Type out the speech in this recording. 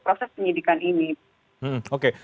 proses penyidikan ini